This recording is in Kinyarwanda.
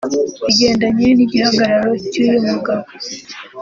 Bigendanye n’igihagararo cy’uyu mugabo